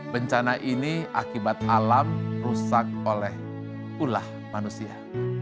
bencana ini akibat alam rusak oleh ulah manusia